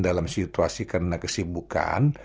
dalam situasi karena kesibukan